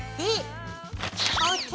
ＯＫ。